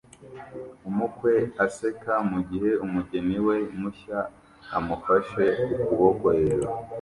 Umukwe aseka mugihe umugeni we mushya amufashe ukuboko hejuru